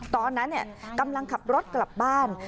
ตอนนั้นกำลังขับรถกลับบ้าน